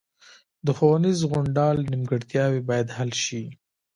د ښوونیز غونډال نیمګړتیاوې باید حل شي